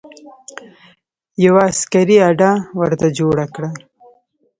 یوه عسکري اډه ورته جوړه کړه.